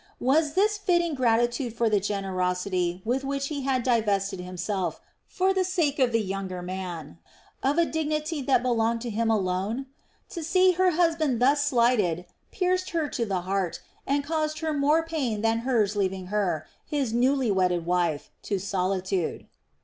Was this fitting gratitude for the generosity with which he had divested himself, for the sake of the younger man, of a dignity that belonged to him alone? To see her husband thus slighted pierced her to the heart and caused her more pain than Hur's leaving her, his newly wedded wife, to solitude.